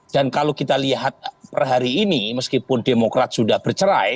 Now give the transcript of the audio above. dan kalau kita lihat perhari ini meskipun demokrat sudah bercerai